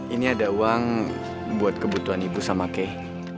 ini ada uang buat kebutuhan ibu sama key